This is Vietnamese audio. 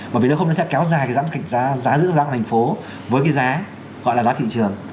bởi vì nó không sẽ kéo dài cái giá giữ giá của thành phố với cái giá gọi là giá thị trường